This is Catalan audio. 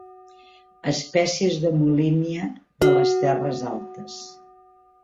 Espècies de "molínia" de les terres altes